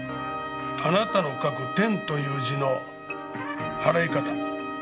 あなたの書く天という字のはらい方。